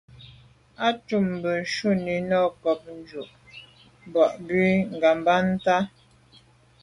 Á cúp mbə̄ shúnī nâʼ kghút jùp bǎʼ bû ŋgámbándá.